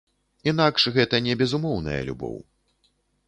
Інакш гэта не безумоўная любоў.